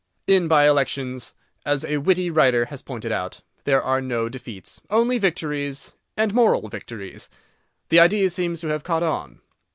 In by elections, as a witty writer has pointed out, there are no defeats—only victories and moral victories. The idea seems to have caught on.